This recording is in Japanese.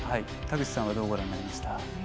田口さんはどうご覧になりましたか？